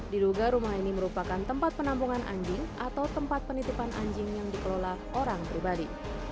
diduga rumah ini merupakan tempat penampungan anjing atau tempat penitipan anjing yang dikelola orang pribadi